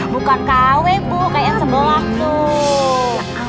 bukan kw bu kayak yang sebelah tuh